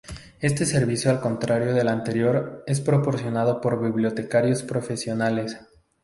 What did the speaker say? Este servicio al contrario del anterior es proporcionado por bibliotecarios profesionales.